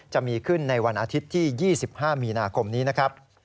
จะมีขึ้นในวันอาทิตย์ที่๒๕มีนาคมนี้นะครับ